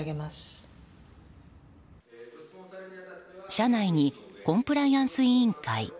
社内にコンプライアンス委員会